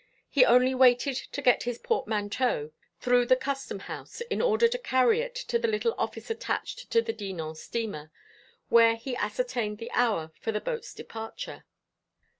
He only waited to get his portmanteau through the Custom House in order to carry it to the little office attached to the Dinan steamer, where he ascertained the hour for the boat's departure.